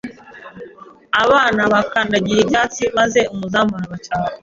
Abana bakandagiye ibyatsi maze umuzamu arabacyaha.